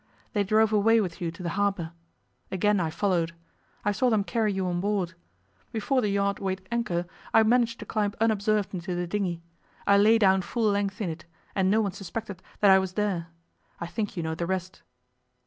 They drove away with you to the harbour. Again I followed. I saw them carry you on board. Before the yacht weighed anchor I managed to climb unobserved into the dinghy. I lay down full length in it, and no one suspected that I was there. I think you know the rest.